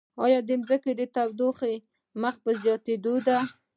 ایا د ځمکې تودوخه مخ په زیاتیدو ده؟